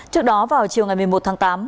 trước đó vào chiều một mươi một tháng tám